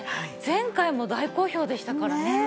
前回も大好評でしたからね。